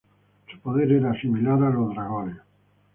Su poder era similar a los dragones.